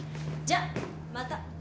じゃまた。